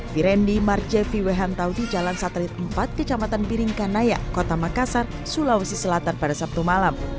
di rendi marjeviwehantau di jalan satelit empat kecamatan piringkanaya kota makassar sulawesi selatan pada sabtu malam